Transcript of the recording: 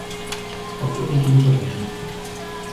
Покойники неподвижны.